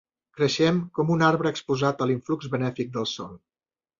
Creixem com un arbre exposat a l'influx benèfic del sol.